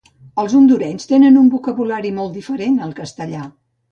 Els Hondurenys tenen un vocabulari molt diferent al castellà